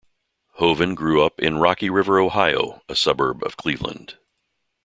Hovan grew up in Rocky River, Ohio, a suburb of Cleveland.